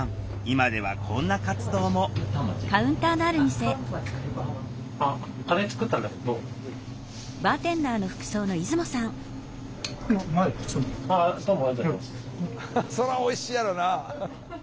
今ではこんな活動もそりゃおいしいやろな。